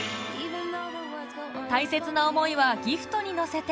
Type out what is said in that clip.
大切な思いはギフトに乗せて